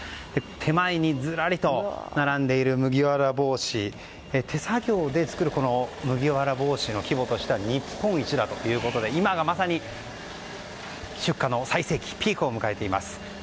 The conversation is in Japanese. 手前にずらりと並んでいる麦わら帽子、手作業で作る麦わら帽子の規模としては日本一だということで今がまさに出荷の最盛期ピークを迎えています。